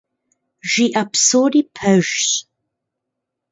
Жиӏэ псори пэжщ.